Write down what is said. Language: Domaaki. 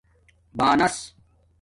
بانس